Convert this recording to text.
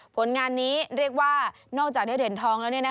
ผลงานนี้เรียกว่านอกจากได้เหรียญทองแล้ว